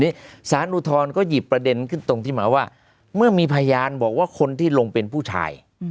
นี่สารอุทธรณ์ก็หยิบประเด็นขึ้นตรงที่หมายว่าเมื่อมีพยานบอกว่าคนที่ลงเป็นผู้ชาย